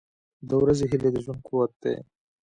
• د ورځې هیلې د ژوند قوت دی.